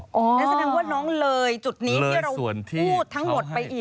นั่นแสดงว่าน้องเลยจุดนี้ที่เราพูดทั้งหมดไปอีก